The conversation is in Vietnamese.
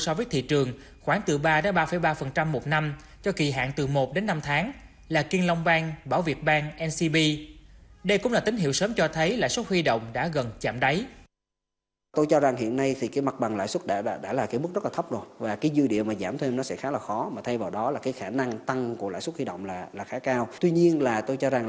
so với thị trường khoảng từ ba đến ba ba một năm cho kỳ hàng từ một đến năm tháng